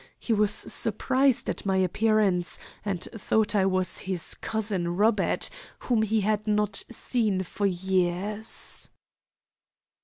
He was surprised at my appearance, and thought I was his cousin Robert, whom he had not seen for years."